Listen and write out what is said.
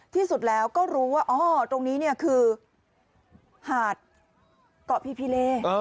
ที่สุดแล้วก็รู้ว่าอ๋อตรงนี้เนี่ยคือหาดเกาะพีพิเล